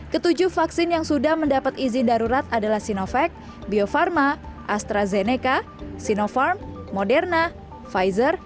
ketujuh vaksin yang sudah mendapat izin darurat adalah sinovac bio farma astrazeneca sinopharm moderna pfizer